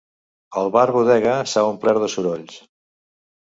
El bar-bodega s'ha omplert de sorolls.